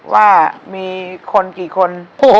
ว่ามีคนกี่คน